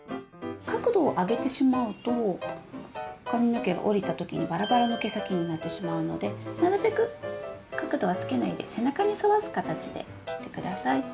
角度を上げてしまうと髪の毛が下りた時にばらばらの毛先になってしまうのでなるべく角度はつけないで背中に沿わす形で切って下さい。